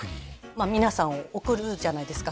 まあ皆さんを送るじゃないですか